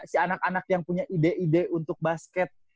si anak anak yang punya ide ide untuk basket